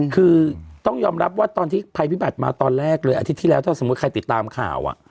คือต้องยอมรับว่าตอนที่ภัยพิบัติมาตอนแรกเลยอาทิตย์ที่แล้วถ้าสมมุติใครติดตามข่าว